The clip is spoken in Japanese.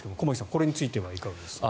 これについてはいかがですか。